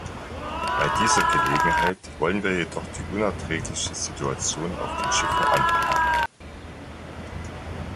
Bei dieser Gelegenheit wollen wir jedoch die unerträgliche Situation auf den Schiffen anprangern.